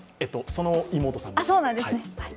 その妹さんです。